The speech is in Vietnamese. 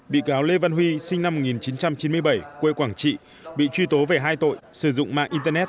bị cáo lê văn huy sinh năm một nghìn chín trăm chín mươi bảy quê quảng trị bị truy tố về hai tội sử dụng mạng internet